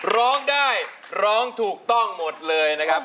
ร้องได้ร้องถูกต้องหมดเลยนะครับ